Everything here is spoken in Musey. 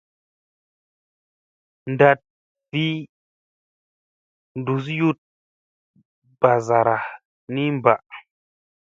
Ndat gi vi nduziyut bazara ni mba.